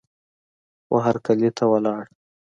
وهرکلې ته ولاړ